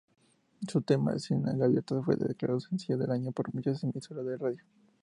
Su tema "Cien gaviotas" fue declarado sencillo del año por muchas emisoras de radio.